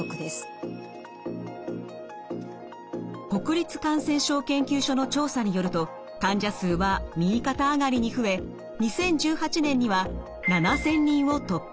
国立感染症研究所の調査によると患者数は右肩上がりに増え２０１８年には７，０００人を突破。